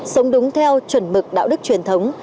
sống đúng theo chuẩn mực đạo đức truyền thống